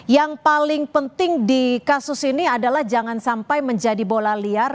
yang paling penting di kasus ini adalah jangan sampai menjadi bola liar